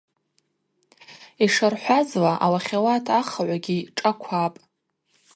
Йшырхӏвазла ауахьауат ахыгӏвгьи шӏаквапӏ.